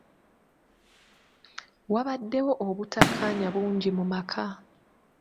Wabaddewo obutakkaanya bungi mu maka.